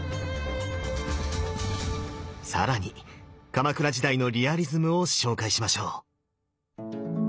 更に鎌倉時代のリアリズムを紹介しましょう。